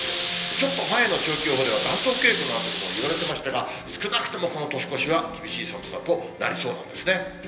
ちょっと前の長期予報では、暖冬傾向なんてこともいわれてましたが、少なくともこの年越しは厳しい寒さとなりそうなんですね。